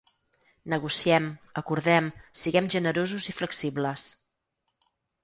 Negociem, acordem, siguem generosos i flexibles.